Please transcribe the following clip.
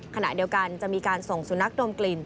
ขณะเดียวกันจะมีการส่งสุนัขดมกลิ่น